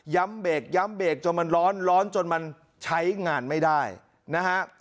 เบรกย้ำเบรกจนมันร้อนร้อนจนมันใช้งานไม่ได้นะฮะ